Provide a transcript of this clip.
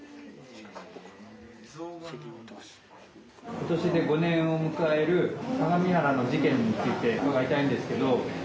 今年で５年を迎える相模原の事件について伺いたいんですけど。